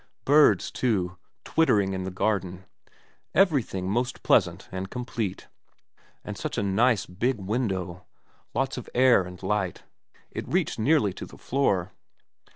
Birds, too, twittering in the garden, 296 VERA everything most pleasant and complete. And such a nice big window. Lots of air and light. It reached nearly to the floor.